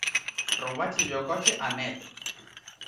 Roubácheslle o coche a Ned.